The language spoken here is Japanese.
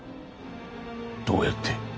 どうやって？